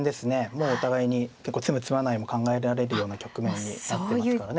もうお互いに詰む詰まないも考えられるような局面になってますからね。